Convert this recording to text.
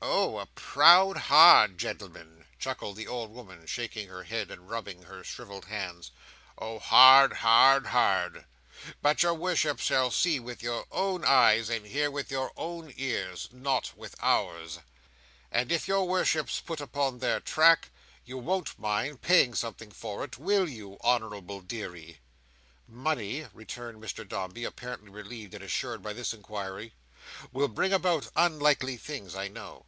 "Oh a proud, hard gentleman!" chuckled the old woman, shaking her head, and rubbing her shrivelled hands, "oh hard, hard, hard! But your worship shall see with your own eyes and hear with your own ears; not with ours—and if your worship's put upon their track, you won't mind paying something for it, will you, honourable deary?" "Money," returned Mr Dombey, apparently relieved, and assured by this inquiry, "will bring about unlikely things, I know.